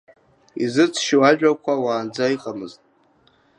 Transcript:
Изыҵшьу ажәақәа уаанӡа иҟамызт.